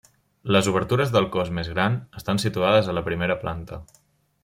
Les obertures del cos més gran estan situades a la primera planta.